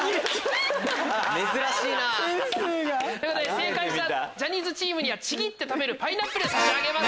正解したジャニーズチームにはちぎって食べるパイナップル差し上げます。